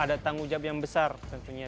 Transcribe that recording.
ada tanggung jawab yang besar tentunya